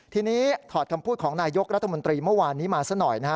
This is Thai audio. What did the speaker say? ทีนี้ถอดคำพูดของนายยกรัฐมนตรีเมื่อวานนี้มาซะหน่อยนะฮะ